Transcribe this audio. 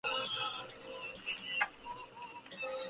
اور وزیراعظم عمران خان بھی اس کے مداحوں میں سے ہیں